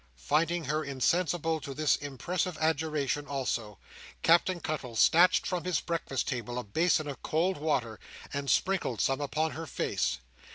Finding her insensible to this impressive adjuration also, Captain Cuttle snatched from his breakfast table a basin of cold water, and sprinkled some upon her face.